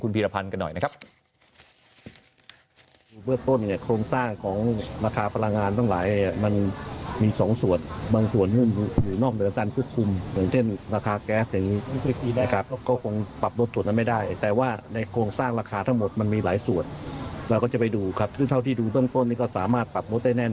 พีรพันธ์กันหน่อยนะครับ